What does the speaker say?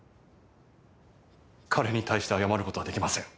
彼に対して謝る事はできません。